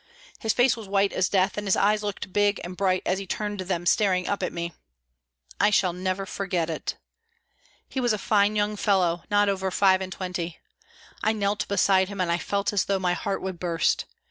His face was white as death, and his eyes looked big and bright as he turned them staring up at me. I shall never forget it. He was a fine young fellow, not over five and twenty. I knelt beside him and I felt as though my heart would burst.